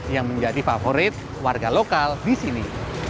yang menjadi favorit warga lokal di sini